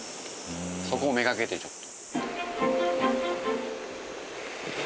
そこを目がけてちょっと。